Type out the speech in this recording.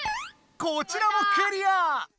こちらもクリア！